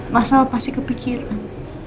masa pasti kepikiran